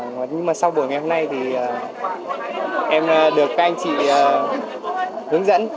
nhưng mà sau buổi ngày hôm nay thì em được các anh chị hướng dẫn